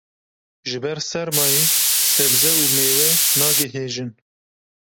Ji ber sermayê sebze û mêwe nagihêjin.